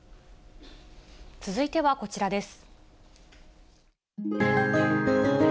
続いてはこちらです。